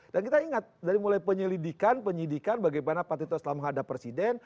dan kita ingat dari mulai penyelidikan penyidikan bagaimana partai tersebut menghadap presiden